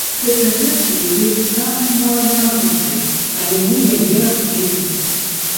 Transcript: Гэта версія ёсць самай малаверагоднай, але мы яе разгледзім.